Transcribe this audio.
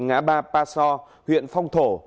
ngã ba paso huyện phong thổ